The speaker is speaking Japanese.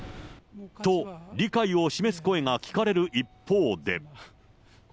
と、理解を示す声が聞かれる一方で。